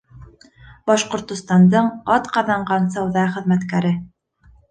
Башҡортостандың атҡаҙанған сауҙа хеҙмәткәре.